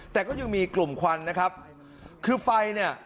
แต่ก็ยังมีกลุ่มควันนะครับคือไฟเนี่ย